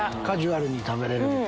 カジュアルに食べれる。